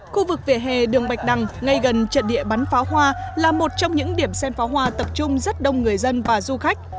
khu vực vỉa hè đường bạch đăng ngay gần trận địa bắn pháo hoa là một trong những điểm sen phá hoa tập trung rất đông người dân và du khách